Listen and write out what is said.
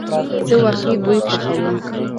زه واقعی دوی خوښوم